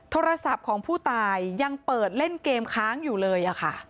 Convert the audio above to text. โทรศัพท์ของผู้ตายยังเปิดเล่นเกมค้างอยู่เลย